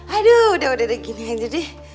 aduh udah udah kayak gini aja deh